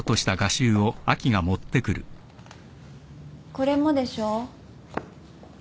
これもでしょ？